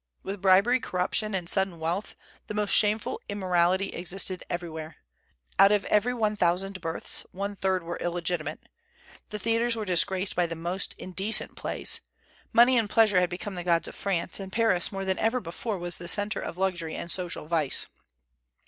With bribery, corruption, and sudden wealth, the most shameful immorality existed everywhere. Out of every one thousand births, one third were illegitimate. The theatres were disgraced by the most indecent plays. Money and pleasure had become the gods of France, and Paris more than ever before was the centre of luxury and social vice.